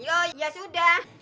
oh ya sudah